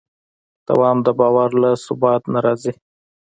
دوام د باور له ثبات نه راځي.